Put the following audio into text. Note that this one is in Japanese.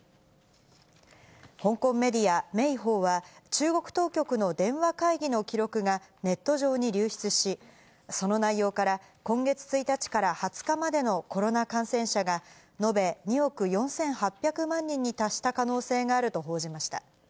香港メディア、明報は中国当局の電話会議の記録が、ネット上に流出し、その内容から、今月１日から２０日までのコロナ感染者が、延べ２億４８００万人に達した可能性があると報じました。